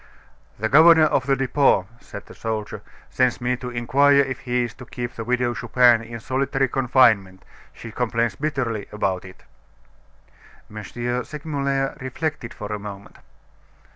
"The governor of the Depot," said the soldier, "sends me to inquire if he is to keep the Widow Chupin in solitary confinement; she complains bitterly about it." M. Segmuller reflected for a moment.